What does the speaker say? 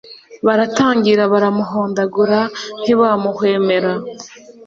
baratangira baramuhondagura ntibamuhwemera